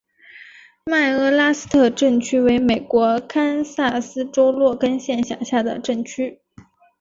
麦阿拉斯特镇区为美国堪萨斯州洛根县辖下的镇区。